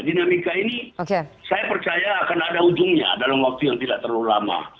dinamika ini saya percaya akan ada ujungnya dalam waktu yang tidak terlalu lama